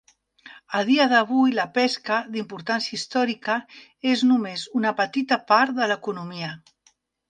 A dia d'avui, la pesca, d'importància històrica, és només una petita part de l'economia.